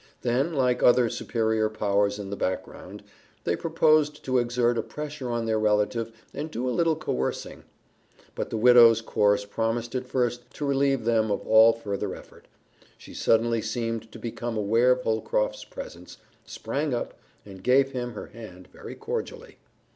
Then, like other superior powers in the background, they proposed to exert a pressure on their relative and do a little coercing. But the widow's course promised at first to relieve them of all further effort. She suddenly seemed to become aware of Holcroft's presence, sprang up, and gave him her hand very cordially.